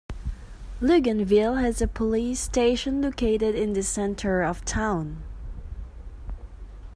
Luganville has a police station located in the centre of town.